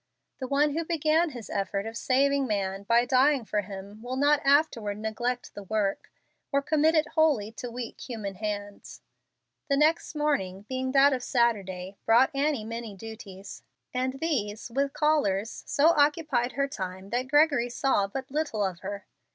The One who began His effort of saving man by dying for him will not afterward neglect the work, or commit it wholly to weak human hands. The next morning, being that of Saturday, brought Annie many duties, and these, with callers, so occupied her time that Gregory saw but little of her.